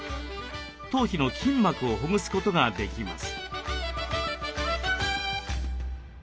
頭皮の筋膜をほぐすことができます。